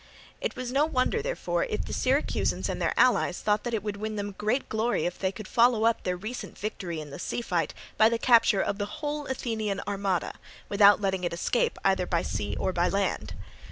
It was no wonder, therefore, if the Syracusans and their allies thought that it would win them great glory if they could follow up their recent victory in the sea fight by the capture of the whole Athenian armada, without letting it escape either by sea or by land.